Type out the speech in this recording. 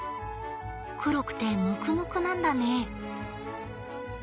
黒くてむくむくなんだね。